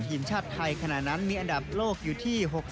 ทีมชาติไทยขณะนั้นมีอันดับโลกอยู่ที่๖๐